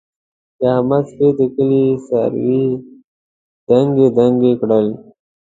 د احمد سپي د کلي څاروي دانګې دانګې کړل.